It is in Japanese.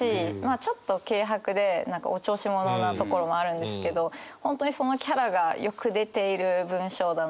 ちょっと軽薄でお調子者なところもあるんですけど本当にそのキャラがよく出ている文章だなと思うんですよ。